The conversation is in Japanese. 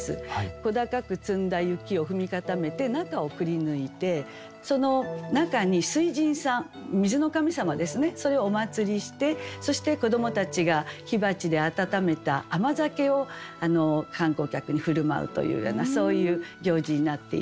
小高く積んだ雪を踏み固めて中をくりぬいてその中に水神さん水の神様ですねそれをお祀りしてそして子どもたちが火鉢で温めた甘酒を観光客に振る舞うというようなそういう行事になっています。